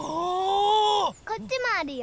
こっちもあるよ！